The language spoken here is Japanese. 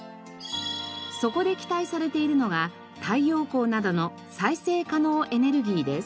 そこで期待されているのが太陽光などの再生可能エネルギーです。